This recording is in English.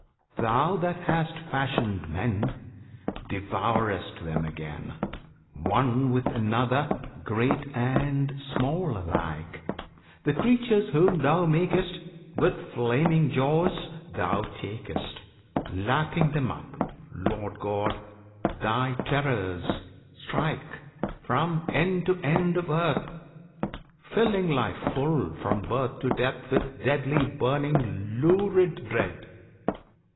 Thou, that hast fashioned men, Devourest them again, One with another, great and small, alike! The creatures whom Thou mak'st, With flaming jaws Thou tak'st, Lapping them up! Lord God! Thy terrors strike From end to end of earth, Filling life full, from birth To death, with deadly, burning, lurid dread!